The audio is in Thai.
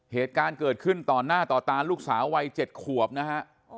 เหตุการณ์เกิดขึ้นต่อหน้าต่อตาลูกสาววัย๗ขวบนะฮะ